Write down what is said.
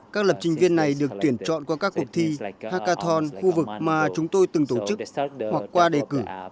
các lập trình viên này được tuyển chọn qua các cuộc thi hakaton khu vực mà chúng tôi từng tổ chức hoặc qua đề cử